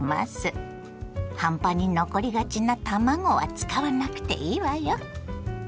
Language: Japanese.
半端に残りがちな卵は使わなくていいわよ。